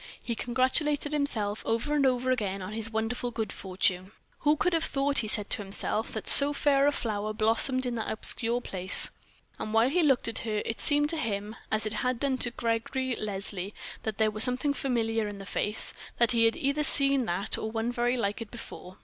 He congratulated himself, over and over again on his wonderful good fortune. "Who could have thought," he said to himself, "that so fair a flower blossomed in that obscure place." And while he looked at her, it seemed to him, as it had done to Gregory Leslie, that there was something familiar in the face; that he had either seen that or one very like it before.